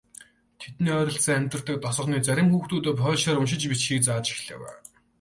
Тэдний ойролцоо амьдардаг тосгоны зарим хүүхдүүдэд польшоор уншиж бичихийг зааж эхлэв.